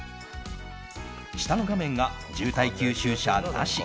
下の画面が渋滞吸収車なし。